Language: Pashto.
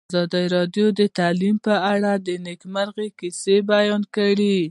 ازادي راډیو د تعلیم په اړه د نېکمرغۍ کیسې بیان کړې.